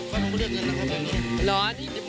ห้องผู้เดียวเกินละครับเนี่ย